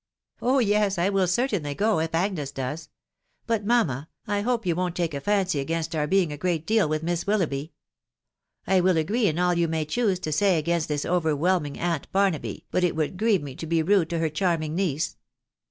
" Oh yes, I will certainly go, if Agnes does. .•. But, mamma, I hope you woVt take a fancy against our being a great deal with Miss Willoughby. I will agree in all yoif may choose to say against this overwhelming aunt Barnaby, but it would grieve me to be rude to her charming niece.